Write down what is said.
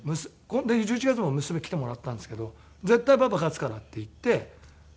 １１月も娘来てもらったんですけど「絶対パパ勝つから」って言って来てもらったんですけどね。